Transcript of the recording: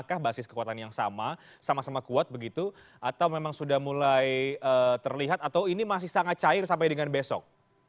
apakah basis kekuatan yang sama sama kuat begitu atau memang sudah mulai terlihat atau ini masih sangat cair sampai dengan besok